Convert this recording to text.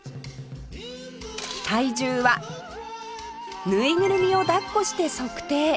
体重はぬいぐるみを抱っこして測定